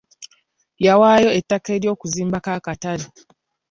Yawaayo ettaka lye okuzimbako akatale.